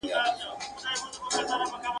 پر دوکان بېهوښه ناست لکه لرګی وو.